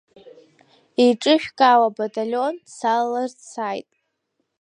Еиҿышәкаауа абаталион салаларц сааит.